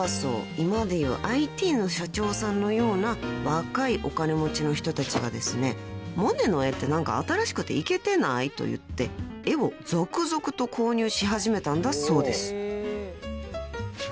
今でいうＩＴの社長さんのような若いお金持ちの人たちがですね「モネの絵って新しくていけてない？」と言って絵を続々と購入し始めたんだそうです］